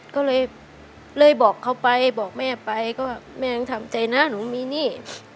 ก็เลยบอกเขาไปบอกแม่ไปก็แม่ยังทำใจนะหนูมีหนี้